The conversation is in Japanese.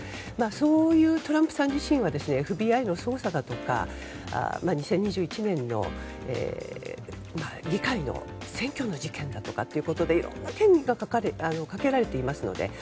そういうトランプさん自身はＦＢＩの捜査だとか２０２１年の議会の占拠の事件だとかでいろんな嫌疑がかけられていますから。